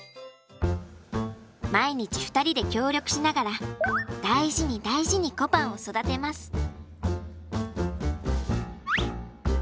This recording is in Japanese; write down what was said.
毎日２人で協力しながら大事に大事にこぱんを育てます。